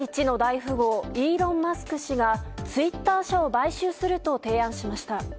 世界一の大富豪イーロン・マスク氏がツイッター社を買収すると提案しました。